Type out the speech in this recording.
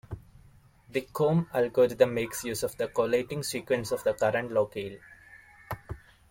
The comm algorithm makes use of the collating sequence of the current locale.